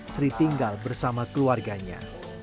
sri tinggal bersama keluarganya